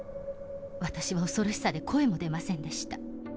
私は恐ろしさで声も出ませんでした。